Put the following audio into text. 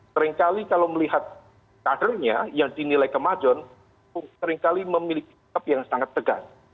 seringkali kalau melihat kadernya yang dinilai kemajon seringkali memiliki sikap yang sangat tegas